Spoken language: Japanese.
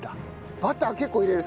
バター結構入れる。